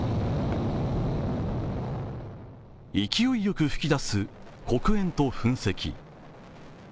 勢いよく吹き出す黒煙と噴石。